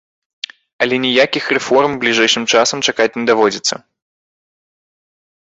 Але ніякіх рэформ бліжэйшым часам чакаць не даводзіцца.